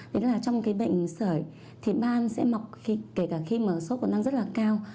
đó là trong bệnh sời thì ban sẽ mọc kể cả khi mà sốt còn đang rất là cao